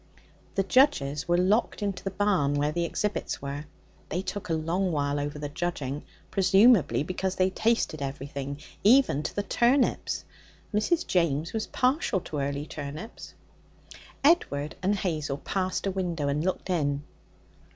The judges were locked into the barn where the exhibits were. They took a long while over the judging, presumably because they tasted everything, even to the turnips (Mrs. James was partial to early turnips). Edward and Hazel passed a window and looked in.